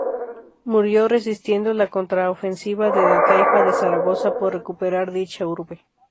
Murió resistiendo la contraofensiva de la Taifa de Zaragoza por recuperar dicha urbe.